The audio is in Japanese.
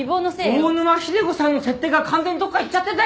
大沼秀子さんの設定が完全にどっか行っちゃってたよ！？